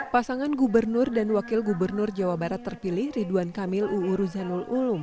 pasangan gubernur dan wakil gubernur jawa barat terpilih ridwan kamil uu ruzanul ulum